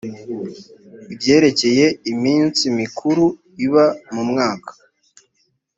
ibyerekeye iminsi mikuru iba mu mwaka